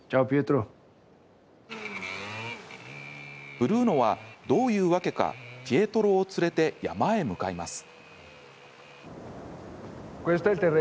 ブルーノはどういうわけかピエトロを連れて山へ向かいます。